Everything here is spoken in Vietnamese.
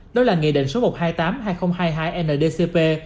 đó là nghị định số một trăm hai mươi tám hai nghìn hai mươi hai ndcp